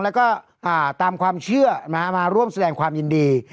แล้วก็ตามความเชื่อมาร่วมแสดงความยินดี